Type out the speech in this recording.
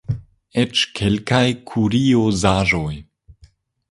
Eĉ kelkaj kuriozaĵoj.